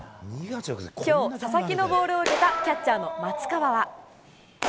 きょう、佐々木のボールを受けたキャッチャーの松川は。